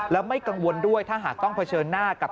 แล้วไม่กังวลด้วยถ้าหากต้องเผชิญหน้ากับ